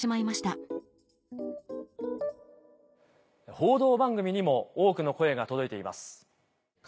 報道番組にも多くの声が届いています。